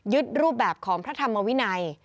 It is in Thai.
รูปแบบของพระธรรมวินัย